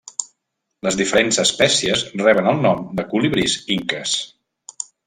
Les diferents espècies reben el nom de colibrís inques.